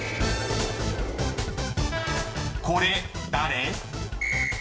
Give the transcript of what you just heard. ［これ誰？］